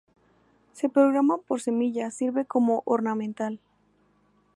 Se propaga por semillas, sirve como ornamental.